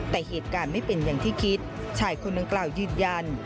แต่เหตุการณ์ไม่เป็นอย่างที่คิดชายคนดังกล่าวยืนยัน